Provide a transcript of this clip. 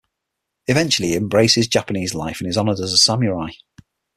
Eventually he embraces Japanese life and is honored as a samurai.